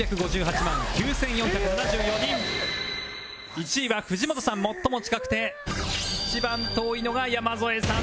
１位は藤本さん最も近くて一番遠いのが山添さん